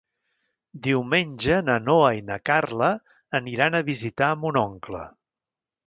Diumenge na Noa i na Carla aniran a visitar mon oncle.